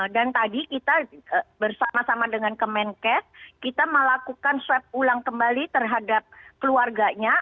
dan tadi kita bersama sama dengan kemenkes kita melakukan swab ulang kembali terhadap keluarganya